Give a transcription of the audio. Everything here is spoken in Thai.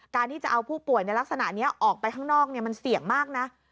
ที่จะเอาผู้ป่วยในลักษณะนี้ออกไปข้างนอกมันเสี่ยงมากนะ